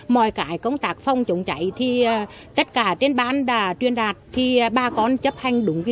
mọi cái công tác phòng chống cháy thì tất cả trên bán đã truyền đạt thì bà con chấp hành đúng